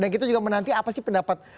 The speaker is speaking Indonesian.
dan kita juga menanti apa sih pendapat